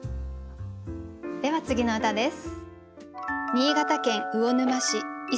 では次の歌です。